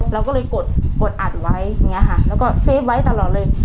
เราก็เลยกดอัดไว้อย่างนี้ค่ะแล้วก็เซฟไว้ตลอดเลย